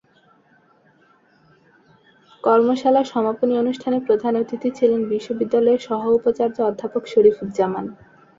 কর্মশালার সমাপনী অনুষ্ঠানে প্রধান অতিথি ছিলেন বিশ্ববিদ্যালয়ের সহ উপাচার্য অধ্যাপক শরীফুজ্জামান।